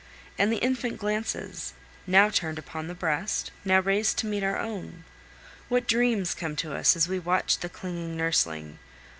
And the infant glances, now turned upon the breast, now raised to meet our own! What dreams come to us as we watch the clinging nursling!